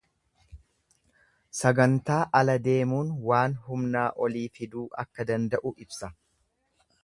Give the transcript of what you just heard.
Sagantaa ala deemuun waan humnaa olii fiduu akka danda'u ibsa.